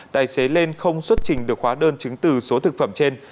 tài xế lên không xuất trình được khóa đơn chứng từ số thực phẩm trên